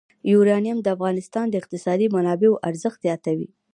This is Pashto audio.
یورانیم د افغانستان د اقتصادي منابعو ارزښت زیاتوي.